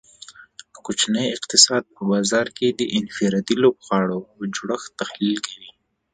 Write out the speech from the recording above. کوچنی اقتصاد په بازار کې د انفرادي لوبغاړو او جوړښت تحلیل کوي